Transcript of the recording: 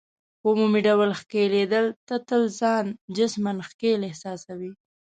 په عمومي ډول ښکیلېدل، ته تل ځان جسماً ښکېل احساسوې.